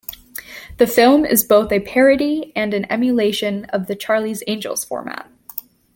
The film is both a parody and an emulation of the "Charlie's Angels" format.